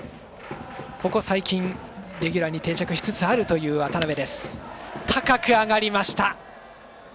ここ最近、レギュラーに定着しつつある渡部。